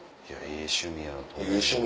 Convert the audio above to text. ええ趣味や。